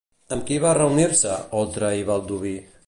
Amb qui van reunir-se, Oltra i Baldoví?